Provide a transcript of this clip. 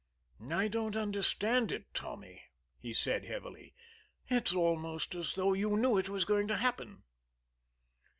"I don't understand, Tommy," he said heavily. "It's almost as though you knew it was going to happen."